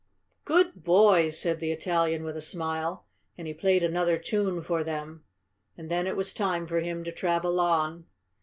"Good boys!" said the Italian with a smile, and he played another tune for them. And then it was time for him to travel on.